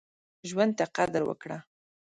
ژوند ته قدر وکړه.